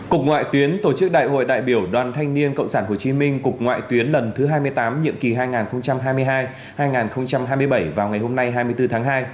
cục ngoại tuyến tổ chức đại hội đại biểu đoàn thanh niên cộng sản hồ chí minh cục ngoại tuyến lần thứ hai mươi tám nhiệm kỳ hai nghìn hai mươi hai hai nghìn hai mươi bảy vào ngày hôm nay hai mươi bốn tháng hai